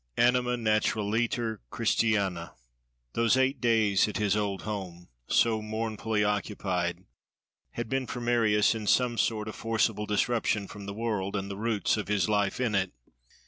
ANIMA NATURALITER CHRISTIANA Those eight days at his old home, so mournfully occupied, had been for Marius in some sort a forcible disruption from the world and the roots of his life in it.